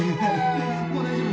もう大丈夫。